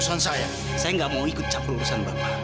saya harus klink pertichap